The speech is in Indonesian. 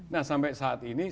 nah sampai saat ini